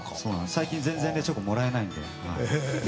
最近全然チョコもらえないので。